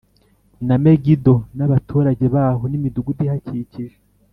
na Megido n’abaturage baho n’imidugudu ihakikije;